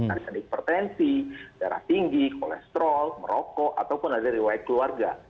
ada hipertensi darah tinggi kolesterol merokok ataupun ada riwayat keluarga